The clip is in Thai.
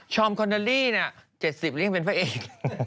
๒๓๒๔๒๕ชอมคอนดอลลี่นะ๗๐ยังเป็นพระเอก